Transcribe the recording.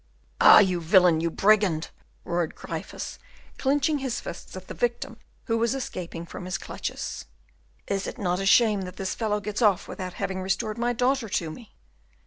"Ah! you villain, you brigand," roared Gryphus, clinching his fists at the victim who was escaping from his clutches, "is it not a shame that this fellow gets off without having restored my daughter to me?"